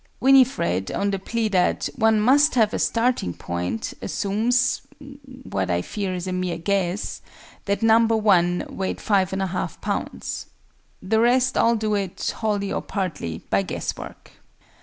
WINIFRED, on the plea that "one must have a starting point," assumes (what I fear is a mere guess) that No. 1 weighed 5 1/2 lbs. The rest all do it, wholly or partly, by guess work.